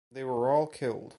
They were all killed.